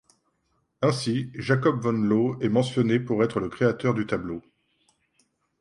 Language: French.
Ainsi Jacob van Loo est mentionné pour être le créateur du tableau.